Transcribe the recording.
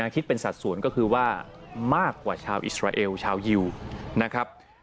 คิดเป็นสัดส่วนก็คือว่ามากกว่าชาวอิสราเอลชาวยิวนะครับ